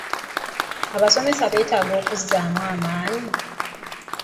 Abasomesa beetaaga okuzzaamu amaanyi?